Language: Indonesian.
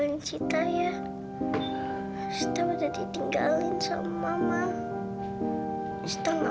lara udah banyak menderita demi aku